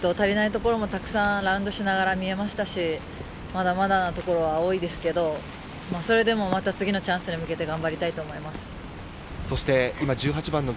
足りないところもラウンドしながら、たくさん見えましたし、まだまだなところは多いですけど、それでもまた次のチャンスに向けて頑張りたいと思います。